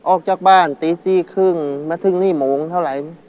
ออกจากบ้านตี๔๓๐มาถึงนี่โมงเท่าไหร่